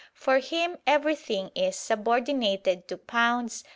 For him everything is subordinated to £ s.